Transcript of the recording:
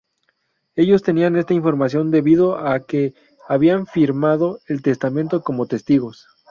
Ellos tenían esta información debido a que habían firmado el testamento como testigos.